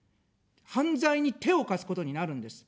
犯罪に手を貸すことになるんです。